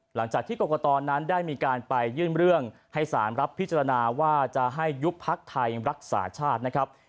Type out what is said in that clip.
หลังจากที่กรกตนั้นได้มีการไปยื่นเรื่องให้สารรับพิจารณาว่าจะให้ยุบพักไทยรักษาชาตินะครับ